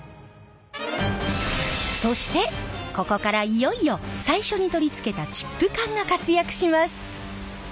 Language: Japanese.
そしてここからいよいよ最初に取り付けたチップ管が活躍します。